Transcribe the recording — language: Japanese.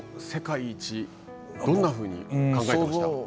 世界一どんなふうに考えてましたか。